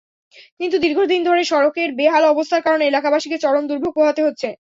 কিন্তু দীর্ঘদিন ধরে সড়কের বেহাল অবস্থার কারণে এলাকাবাসীকে চরম দুর্ভোগ পোহাতে হচ্ছে।